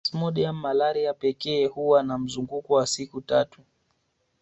Plasmodium malaria pekee huwa na mzunguko wa siku tatu